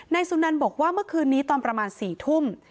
สุนันบอกว่าเมื่อคืนนี้ตอนประมาณ๔ทุ่ม